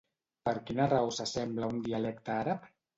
Per quina raó s'assembla a un dialecte àrab?